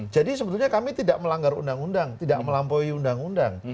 jadi sebetulnya kami tidak melanggar undang undang tidak melampaui undang undang